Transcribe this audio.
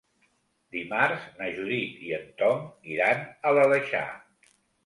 Dimarts na Judit i en Tom iran a l'Aleixar.